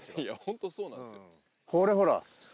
これほら。